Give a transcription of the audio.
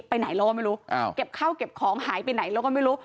ไปไหนเราก็ไม่รู้เก็บข้าวเก็บของหายไปไหนเราก็ไม่รู้